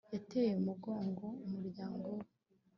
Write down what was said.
yateye umugongo umuryango we